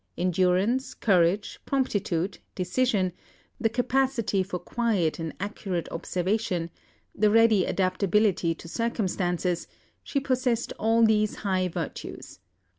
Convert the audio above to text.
Endurance, courage, promptitude, decision, the capacity for quiet and accurate observation, the ready adaptability to circumstances she possessed all these high virtues.